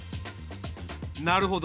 なるほど。